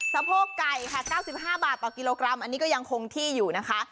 สะโพกไก่ค่ะ๙๕บาทต่อกิโลกรัมอันนี้ก็ยังคงที่อยู่นะคะ